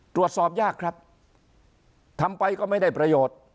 ตรวจสอบยากครับทำไปก็ไม่ได้ประโยชน์